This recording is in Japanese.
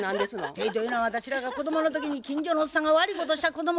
「てい」というのは私らが子供の時に近所のおっさんが悪いことした子供を怒る時に使った言葉や。